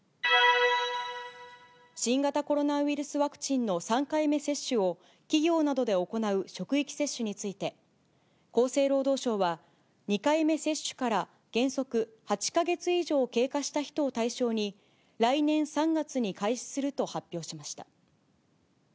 新型コロナウイルスワクチンの３回目接種を、企業などで行う職域接種について、厚生労働省は、２回目接種から原則８か月以上経過した人を対象に、来年３月に開始すると発表しました。